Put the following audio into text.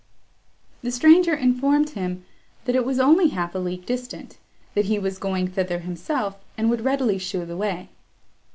The stranger informed him, that it was only half a league distant, that he was going thither himself, and would readily show the way.